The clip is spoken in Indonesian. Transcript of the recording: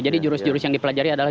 jadi jurus jurus yang dipelajari adalah